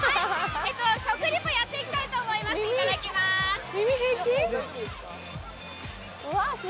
食リポ、やっていきたいと思います。